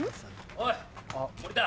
おい森田！